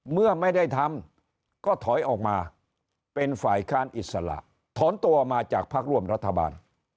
เมื่อไม่ได้ทำก็ถอยออกมาเป็นฝ่ายค้านอิสระถอนตัวมาจากพักร่วมรัฐบาล